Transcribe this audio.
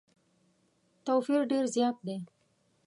توپیر ډېر زیات دی.